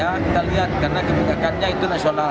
ya kita lihat karena kebijakannya itu nasional